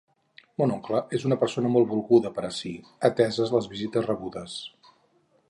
Mon oncle és una persona molt volguda per ací, ateses les visites rebudes